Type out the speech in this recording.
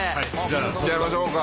いっちゃいましょうか。